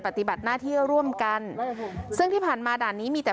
ปฏิบัติหน้าที่ร่วมกันซึ่งที่ผ่านมาด่านนี้มีแต่